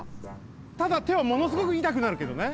ただてはものすごくいたくなるけどね。